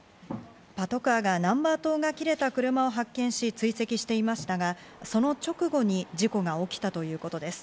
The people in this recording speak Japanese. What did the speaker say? パトカーが、ナンバー灯が切れた車を発見し追跡していましたが、その直後に事故が起きたということです。